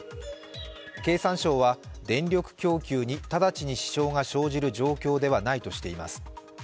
経産省は電力供給に直ちに支障が生じる状態ではないとしています。